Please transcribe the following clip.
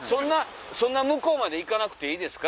そんな向こうまで行かなくていいですか？